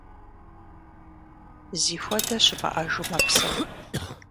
Зихуэдэ щымыӏэжу мэпсэу.